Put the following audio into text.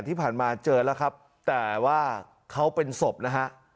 ที่ผ่านมาเจอแล้วครับแต่ว่าเขาเป็นศพนะฮะ